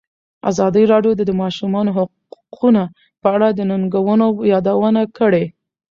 ازادي راډیو د د ماشومانو حقونه په اړه د ننګونو یادونه کړې.